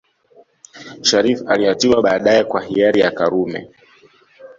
Shariff aliachiwa baadae kwa hiari ya Karume